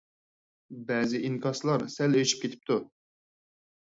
بەزى ئىنكاسلار سەل ئېشىپ كېتىپتۇ.